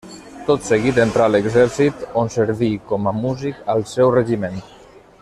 Tot seguit entrà a l'exèrcit, on serví com a músic al seu regiment.